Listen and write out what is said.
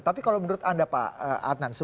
tapi kalau menurut anda pak adnan